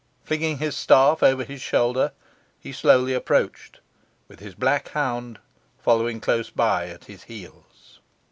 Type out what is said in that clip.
Flinging his staff over his shoulder, he slowly approached, with his black hound following close by at his heels.